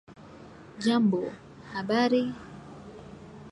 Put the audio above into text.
Jambo ! habari?